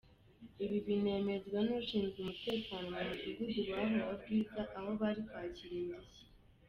Ibi binemezwa n’ushinzwe umutekano mu mudugudu waho wa Bwiza aho bari kwakira indishyi.